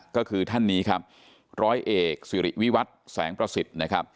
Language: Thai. ก็คือท่านนี้ครับร้อยเอกสิริวิวัตรแสงประสิทธิ์นะครับ